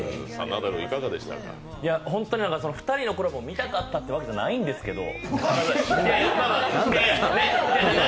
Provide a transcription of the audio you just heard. ホントに２人のコラボを見たかったわけじゃないですけど。